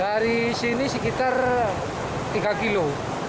dari sini sekitar tiga kilo